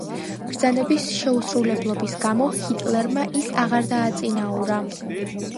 ბრძანების შეუსრულებლობის გამო ჰიტლერმა ის აღარ დააწინაურა.